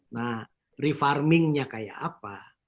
nah refarmingnya kayak apa